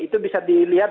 itu bisa dilihat